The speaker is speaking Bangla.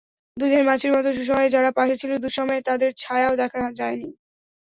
দুধের মাছির মতো সুসময়ে যারা পাশে ছিল, দুঃসময়ে তাদের ছায়াও দেখা যায়নি।